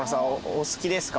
お好きですか？